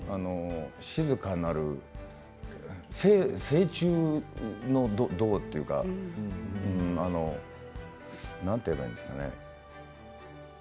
静かなる、静中の動というか何て言えばいいんですかね。